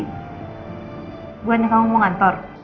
gue aneh kamu mau ngantor